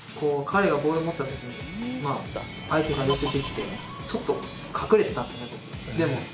彼がボールを持った時に相手が寄せてきてちょっと隠れてたんですよね